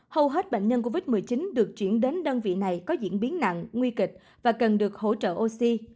hầu hết bệnh nhân covid một mươi chín được chuyển đến đơn vị này có diễn biến nặng nguy kịch và cần được hỗ trợ oxy